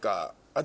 私。